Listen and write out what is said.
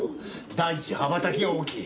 第一羽ばたきが大きい。